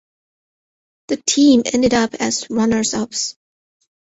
The team ended up as runners-ups.